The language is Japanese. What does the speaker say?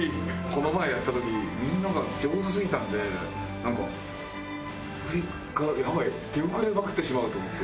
この前やった時みんなが上手すぎたんでなんか俺がやばい出遅れまくってしまうと思って。